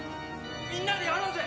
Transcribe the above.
みんなでやろうぜ！